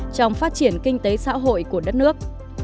trong phát triển kinh tế xã hội của đất nước